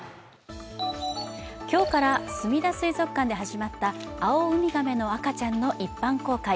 今日からすみだ水族館で始まった青海亀の赤ちゃんの一般公開。